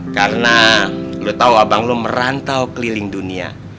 karena lo tau abang lo merantau keliling dunia